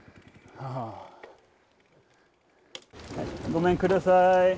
ごめんください。